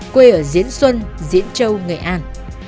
quê ở diễn xuân diễn châu nghệ an